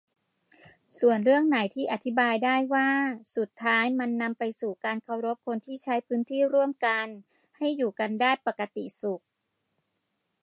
ส่วนเรื่องไหนที่อธิบายได้ว่า สุดท้ายมันนำไปสู่การเคารพคนที่ใช้พื้นที่ร่วมกันให้อยู่กันได้ปกติสุข